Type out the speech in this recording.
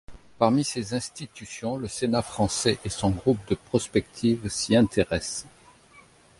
Parmi ces institutions, le Sénat français et son Groupe de prospective s'y intéressent.